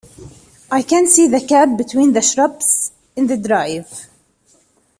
I can see the cab between the shrubs in the drive.